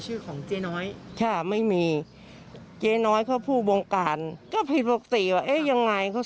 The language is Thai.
แล้วก็ไปอีกโต๊ะนึงให้พิมพ์มาเป็นอย่างนี้๒ใบ